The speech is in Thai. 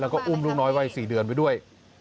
คุมลูกน้อยวัย๔เดือนไว้ด้วย